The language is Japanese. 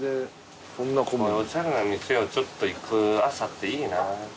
おしゃれな店をちょっと行く朝っていいな。